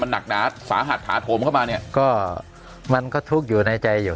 หนักหนาสาหัสถาโถมเข้ามาเนี่ยก็มันก็ทุกข์อยู่ในใจอยู่